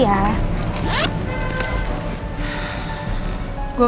ya ya makasih ya